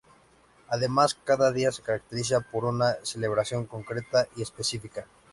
Además, cada día se caracteriza por una celebración concreta y específica.